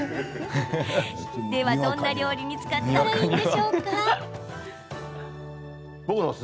では、どんな料理に使ったらいいんでしょうか？